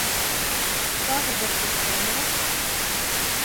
Тағы бер тикшерәм дә...